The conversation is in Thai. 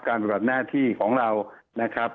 การปรับหน้าที่ของเรานะครับ